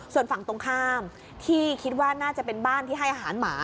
ส่วนฝั่งตรงข้ามที่คิดว่าน่าจะเป็นบ้านที่ให้อาหารหมา